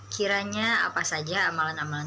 kiranya apa saja amalan amalan